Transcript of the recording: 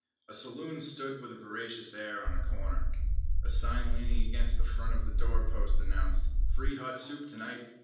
A saloon stood with a voracious air on a corner. A sign leaning against the front of the door post announced "Free hot soup to night!"